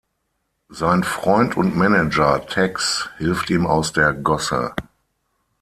Sein Freund und Manager Tex hilft ihm aus der Gosse.